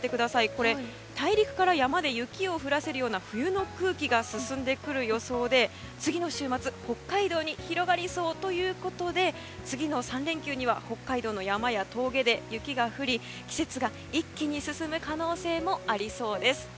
これ、大陸から山で雪を降らせるような冬の空気が進んでくる予想で次の週末北海道に広がりそうということで次の３連休には北海道の山や峠で雪が降り、季節が一気に進む可能性もありそうです。